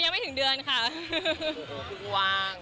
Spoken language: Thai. ยังไม่ถึงเดือนค่ะว่าง